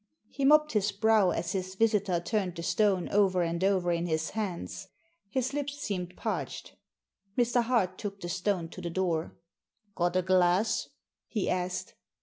He mopped his brow as his visitor turned the stone over and over in his hands. His lips seemed parched, Mr. Hart took the stone to the door. " Got a glass ?" he asked.